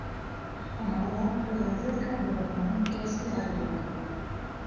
ہمارا قیادت کا بحران کیسے حل ہو گا۔